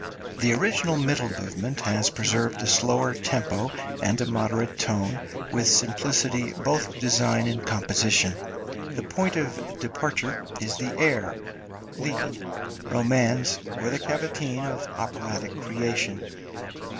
The original middle movement has preserved a slower {INSTRUMENTAL MUSIC.} (294) tempo and a moderate tone, with simplicity both of design and composition. The point of departure is the air (lied, romanze), or the cavatine of operatic creation.